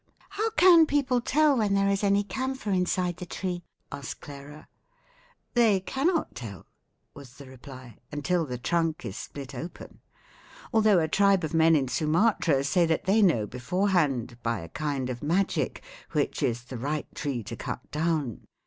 "How can people tell when there is any camphor inside the tree?" asked Clara. "They cannot tell," was the reply, "until the trunk is split open, although a tribe of men in Sumatra say that they know before hand, by a kind of magic, which is the right tree to cut down.